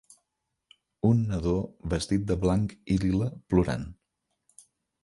Un nadó vestit de blanc i lila plorant